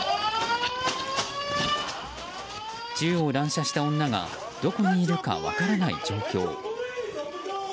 銃を乱射した女がどこにいるか分からない状況。